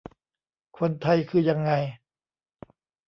คนไทยคือยังไง